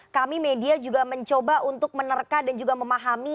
kami media juga mencoba untuk menerka dan juga memahami